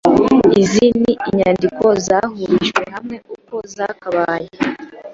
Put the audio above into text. Izi ni Inyandiko Zahurijwe Hamwe Uko Zakabaye